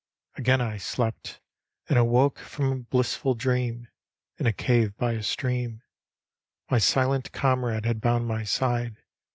... .^ain I slept, And awoke From a blissful dream In a cave by a stream. My silent comrade had bound my side.